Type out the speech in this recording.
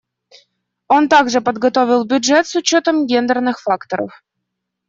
Он также подготовил бюджет с учетом гендерных факторов.